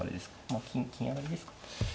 まあ金上がりですか。